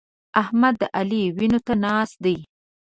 احمد د علي وينو ته ناست دی.